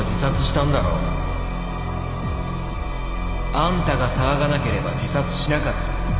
「あんたが騒がなければ自殺しなかった。